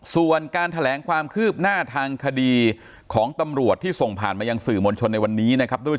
ส่วนการแถลงความคืบหน้าทางคดีของตำรวจที่ส่งผ่านมายังสื่อมวลชนในวันนี้นะครับ